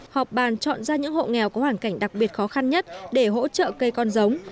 họp bàn chọn ra những hộ nghèo có hoàn cảnh đặc biệt khó khăn nhất để hỗ trợ cây con giống